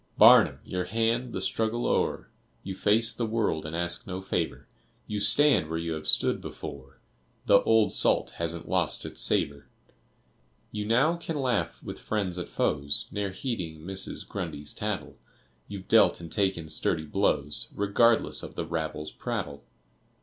Barnum, your hand! The struggle o'er, You face the world and ask no favor; You stand where you have stood before, The old salt hasn't lost its savor. You now can laugh with friends, at foes, Ne'er heeding Mrs. Grundy's tattle; You've dealt and taken sturdy blows, Regardless of the rabble's prattle.